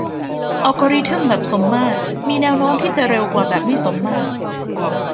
อัลกอริทึมแบบสมมาตรมีแนวโน้มที่จะเร็วกว่าแบบไม่สมมาตร